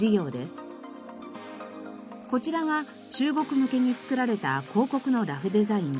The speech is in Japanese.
こちらが中国向けに作られた広告のラフデザイン。